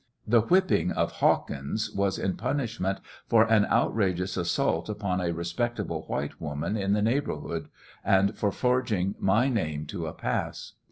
The whipping of Hawkins was in punishment for an outrageou assault upon a respectable white woman in the neighborhood, and for forginj my name to a pass.